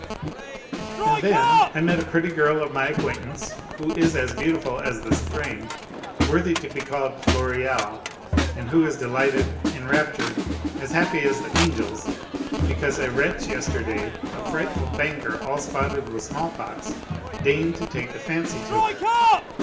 51 And then, I met a pretty girl of my acquaintance, who is as beautiful as the spring, worthy to be called Floréal, and who is delighted, enraptured, as happy as the angels, because a wretch yesterday, a frightful banker all spotted with small pox, deigned to take a fancy to her!